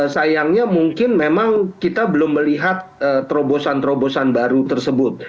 sayangnya mungkin memang kita belum melihat terobosan terobosan baru tersebut